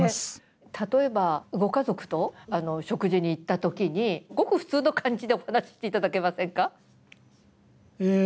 例えばご家族と食事に行ったときにごく普通の感じでお話ししていただけませんか？